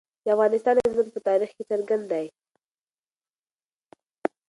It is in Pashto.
د افغانستان عظمت په تاریخ کې څرګند دی.